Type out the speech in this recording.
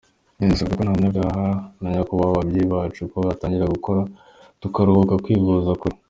Njye nasabaga ko ba nyakubahwa babyeyi bacu ko yatangira gukora tukaruhuka kwivuza kure.